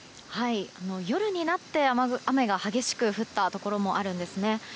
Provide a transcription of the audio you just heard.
夜になって、雨が激しく降ったところもあるんですね。